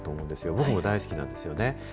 僕も大好きなんですよね。